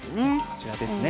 こちらですね。